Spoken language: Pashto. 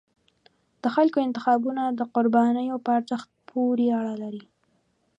د خلکو انتخابونه د قربانیو په ارزښت پورې اړه لري